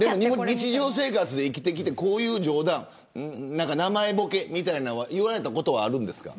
日常生活で生きてきてこういう冗談名前ボケみたいなものを言われたことはあるんですか。